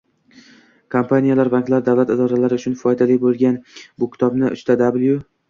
Kompaniyalar, banklar, davlat idoralari uchun foydali bo'lgan bu kitobni www